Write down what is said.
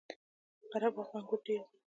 قره باغ انګور ډیر دي؟